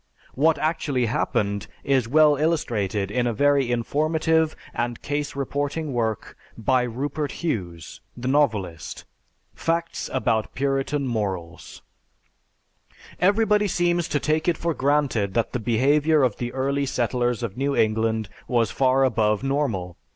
What actually happened is well illustrated in a very informative and case reporting work by Rupert Hughes, the novelist, "Facts About Puritan Morals": "Everybody seems to take it for granted that the behavior of the early settlers of New England was far above normal.